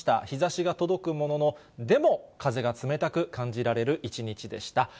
日ざしが届くものの、でも風が冷たく感じられる１日でした。